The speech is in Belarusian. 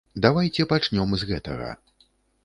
Давайце пачнём з гэтага.